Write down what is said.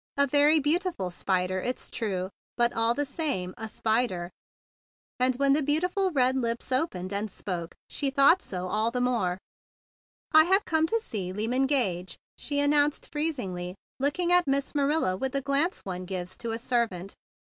A very beautiful 160 THE BIG BLUE SOLDIER spider, it is true, but all the same a spider. And, when the beautiful red lips opened and spoke, she thought so all the more. "I have come to see Lyman Gage," she announced freezingly, looking at Miss Marilla with the glance one gives to a servant.